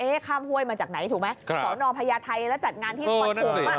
เอ๊ะข้ามห้วยมาจากไหนถูกไหมของภัยาไทยแล้วจัดงานที่ควรคุม